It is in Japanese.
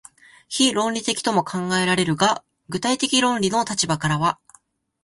非論理的とも考えられるが、具体的論理の立場からは、